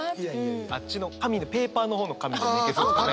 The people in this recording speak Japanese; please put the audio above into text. あっちの紙のペーパーの方の紙でもいけそうですね。